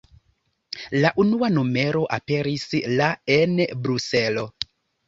La unua numero aperis la en Bruselo.